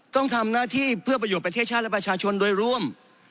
ต้องทำหน้าที่เพื่อประโยชน์ประเทศชาติและประชาชนโดยร่วม